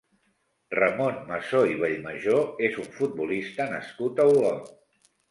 Ramon Masó i Vallmajó és un futbolista nascut a Olot.